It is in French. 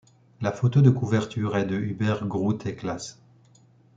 La photo de couverture est de Hubert Grooteclaes.